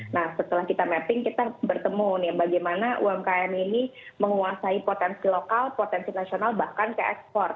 nah setelah kita mapping kita bertemu nih bagaimana umkm ini menguasai potensi lokal potensi nasional bahkan ke ekspor